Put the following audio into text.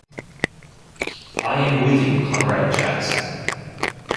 I am with you, Comrade Jackson.